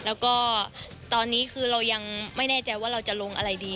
แล้วก็ตอนนี้คือเรายังไม่แน่ใจว่าเราจะลงอะไรดี